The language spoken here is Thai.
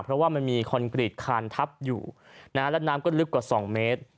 เพราะว่ามันมีคอนกรีตคานทับอยู่นะฮะและน้ำก็ลึกกว่า๒เมตร